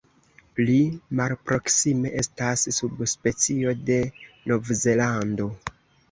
Pli malproksime estas subspecio de Novzelando.